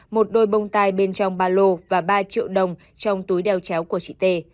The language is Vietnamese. một đôi bông tai bên trong ba lô và ba triệu đồng trong túi đeo chéo của chị t